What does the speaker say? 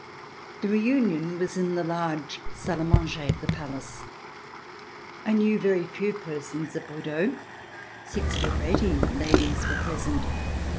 The reunion was in the large salle d manger of the palace. I knew very few persons at Bordeaux. Sixty or eighty ladies were present.